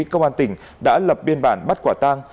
công an tỉnh đã lập biên bản bắt quả tang